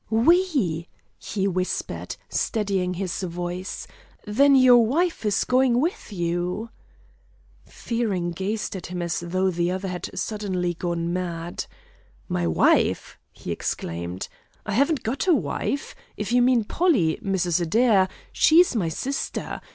"We?" he whispered, steadying his voice. "Then then your wife is going with you?" Fearing gazed at him as though the other had suddenly gone mad. "My wife!" he exclaimed. "I haven't got a wife! If you mean Polly Mrs. Adair, she is my sister!